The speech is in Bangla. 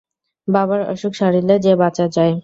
বাবার অসুখ সারিলে যে বাঁচা যায়!